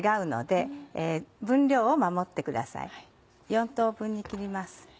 ４等分に切ります。